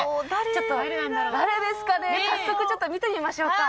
ちょっと、誰ですかね、早速ちょっと見てみましょうか。